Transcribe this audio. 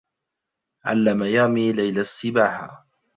علّم يامي ليلى السّباحة.